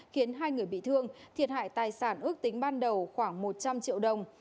khiến hai người bị thương thiệt hại tài sản ước tính ban đầu khoảng một trăm linh triệu đồng